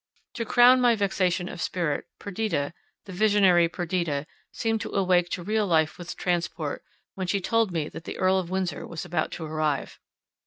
To crown my vexation of spirit, Perdita, the visionary Perdita, seemed to awake to real life with transport, when she told me that the Earl of Windsor was about to arrive.